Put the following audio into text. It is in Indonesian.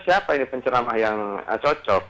siapa ini penceramah yang cocok